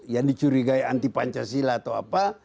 yang dicurigai anti pancasila atau apa